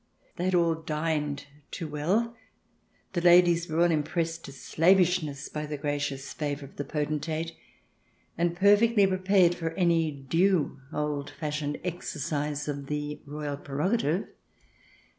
They had all dined too well ; the ladies were all impressed to slavishness by the gracious favour of the potentate, and perfectly prepared for any due old fashioned exercise of the royal prerogative.